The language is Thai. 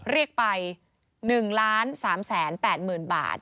เรียกไป๑ล้าน๓แสน๘หมื่นบาท